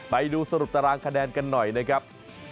ไปดูสรุปตารางคะแนนกันหน่อยนะครับ